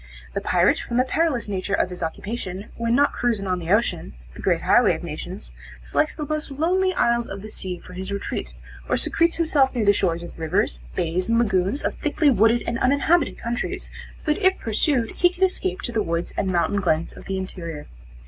The pirate, from the perilous nature of his occupation, when not cruising on the ocean, the great highway of nations, selects the most lonely isles of the sea for his retreat, or secretes himself near the shores of rivers, bays and lagoons of thickly wooded and uninhabited countries, so that if pursued he can escape to the woods and mountain glens of the interior.